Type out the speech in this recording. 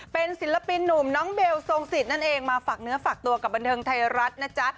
เป็นศิลปินหนุ่มน้องเบลทรงสิทธินั่นเองมาฝากเนื้อฝากตัวกับบันเทิงไทยรัฐนะจ๊ะ